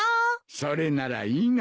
それならいいが。